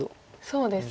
そうですね。